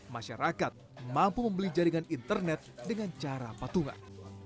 masyarakat mampu membeli jaringan internet dengan cara patungan